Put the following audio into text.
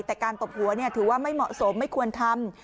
แต่การตบหัวถือว่าไม่เหมาะสมไม่ควรทำ